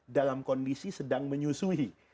dalam kondisi sedang menyusui